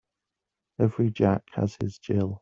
Every Jack has his Jill.